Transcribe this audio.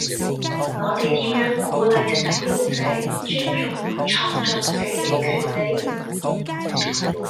我哋點樣鼓勵使用者尊重創作者嘅權利？